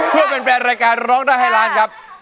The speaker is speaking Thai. เพื่อเป็นแฟนรายการร้องได้ให้ล้านครับ